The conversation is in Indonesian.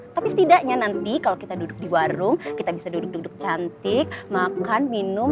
tapi setidaknya nanti kalau kita duduk di warung kita bisa duduk duduk cantik makan minum